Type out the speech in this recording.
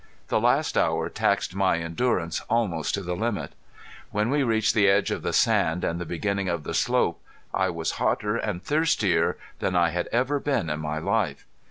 The last hour taxed my endurance almost to the limit. When we reached the edge of the sand and the beginning of the slope I was hotter and thirstier than I had ever been in my life.